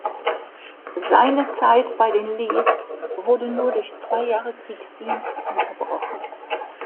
Seine Zeit bei den Leafs wurde nur durch zwei Jahre Kriegsdienst unterbrochen.